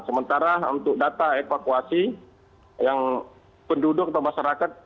sementara untuk data evakuasi yang penduduk atau masyarakat